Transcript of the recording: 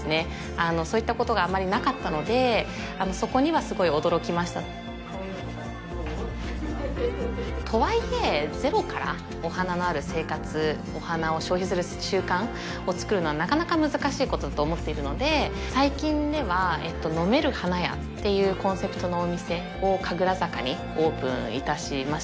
あのそういったことがあまりなかったのでそこにはすごい驚きましたとはいえゼロからお花のある生活お花を消費する習慣をつくるのはなかなか難しいことだと思っているので最近では「飲める花屋」っていうコンセプトのお店を神楽坂にオープンいたしました